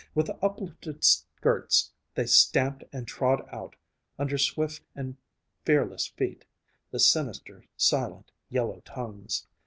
With uplifted skirts they stamped and trod out, under swift and fearless feet, the sinister, silent, yellow tongues.